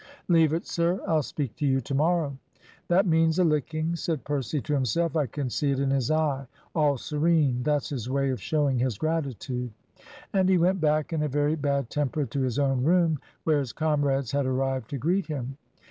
"Leave it, sir. I'll speak to you to morrow." "That means a licking," said Percy to himself. "I can see it in his eye. All serene. That's his way of showing his gratitude." And he went back in a very bad temper to his own room, where his comrades had arrived to greet him.